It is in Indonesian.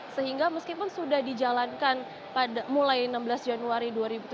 sehingga meskipun sudah dijalankan mulai enam belas januari dua ribu tujuh belas